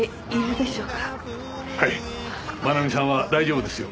はい愛美さんは大丈夫ですよ。